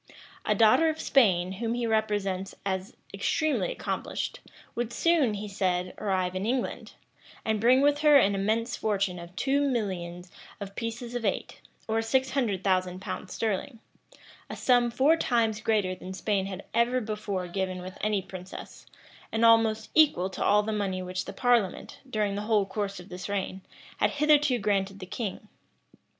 [] A daughter of Spain, whom he represents as extremely accomplished, would soon, he said, arrive in England, and bring with her an immense fortune of two millions of pieces of eight, or six hundred thousand pounds sterling; a sum four times greater than Spain had ever before given with any princess, and almost equal to all the money which the parliament, during the whole course of this reign, had hitherto granted to the king.